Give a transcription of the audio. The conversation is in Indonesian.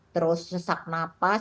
terus sesak napas